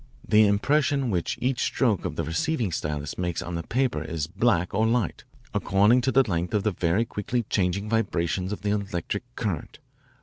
The impression which each stroke of the receiving stylus makes on the paper is black or light, according to the length of the very quickly changing vibrations of the electric current.